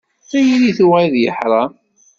Tayri tuɣal d leḥram.